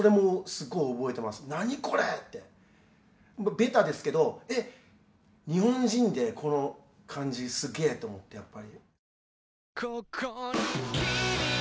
ベタですけど「えっ日本人でこの感じすげえ」と思ってやっぱり。